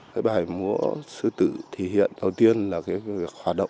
cái bài múa sư tử thể hiện đầu tiên là cái hoạt động lao động sản xuất của nhân dân